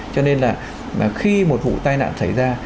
cho nên là khi một vụ tai nạn xảy ra